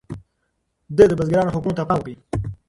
ده د بزګرانو حقونو ته پام وکړ.